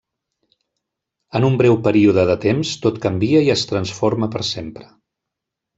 En un breu període de temps tot canvia i es transforma per sempre.